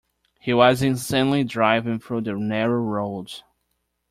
He was insanely driving through the narrow roads.